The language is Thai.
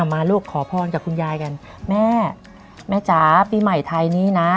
มาลูกขอพรกับคุณยายกันแม่แม่จ๋าปีใหม่ไทยนี้นะ